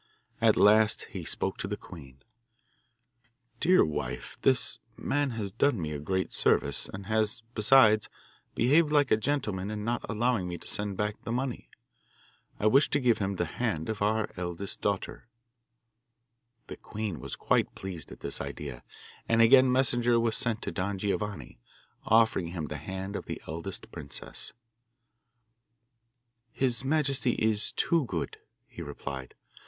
At last he spoke to the queen: 'Dear wife, this man has done me a great service, and has, besides, behaved like a gentleman in not allowing me to send back the money. I wish to give him the hand of our eldest daughter.' The queen was quite pleased at this idea, and again messenger was sent to Don Giovanni, offering him the hand of the eldest princess. 'His majesty is too good,' he replied.